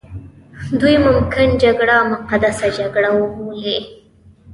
دوی ممکن جګړه مقدسه جګړه وبولي.